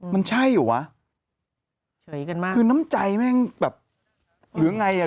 มันใช่หรือว่าคือน้ำใจแม่งแบบเหลือง่ายอะ